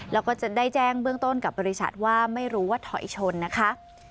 แล้วก็จะได้แจ้งเบื้องต้นกับบริษัทว่าไม่รู้ว่าถอยชนนะคะ